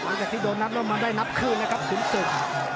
หลังจากที่โดนนับแล้วมันได้นับคืนนะครับขุนศึก